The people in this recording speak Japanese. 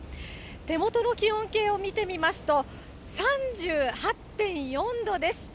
手元の気温計を見てみますと、３８．４度です。